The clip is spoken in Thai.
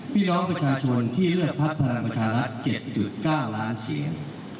พี่น้องประชาชนที่เลือกพักพลังประชารัฐ๗๙ล้านเสียง